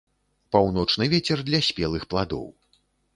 Паўночны вецер для спелых пладоў.